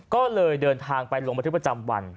ก็เลยเดินทางไปลงบันทึกประจำวัน